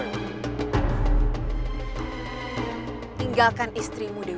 tinggalkan istrimu dewi